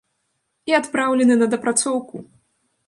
І адпраўлены на дапрацоўку!